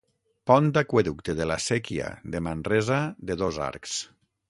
Pont Aqüeducte de la Séquia de Manresa de dos arcs.